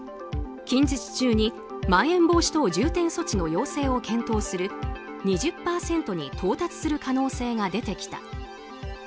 近日中にまん延防止等重点措置の要請を検討する２０％に到達する可能性が出てきた。